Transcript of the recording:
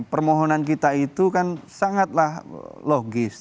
permohonan kita itu kan sangatlah logis